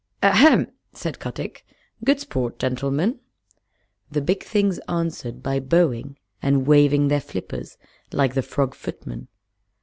"Ahem!" said Kotick. "Good sport, gentlemen?" The big things answered by bowing and waving their flippers like the Frog Footman.